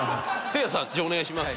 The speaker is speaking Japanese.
せいやさんじゃあお願いします。